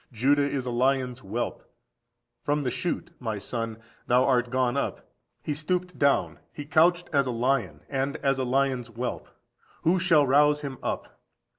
Judah is a lion's whelp: from the shoot, my son, thou art gone up: he stooped down, he couched as a lion, and as a lion's whelp; who shall rouse him up?